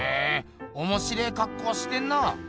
おもしれえかっこしてんな。